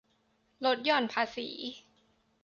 ลดหย่อนภาษี